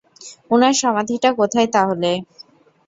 উনার সমাধিটা কোথায় তাহলে?